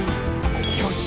「よし！